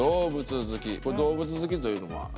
これ「動物好き」というのは？